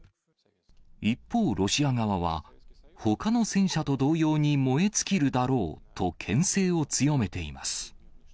一方、ロシア側は、ほかの戦車と同様に燃え尽きるだろうとけん制を強めています。